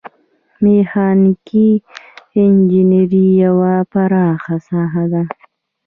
میخانیکي انجنیری یوه پراخه ساحه ده.